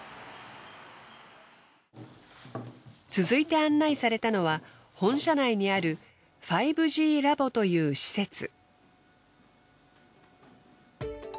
続いて案内されたのは本社内にある５Ｇラボという施設。